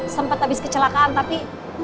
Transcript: sempat habis kecelakaan tapi